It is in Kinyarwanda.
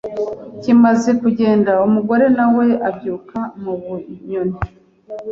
Kimaze kugenda umugore na we abyuka mubunyoni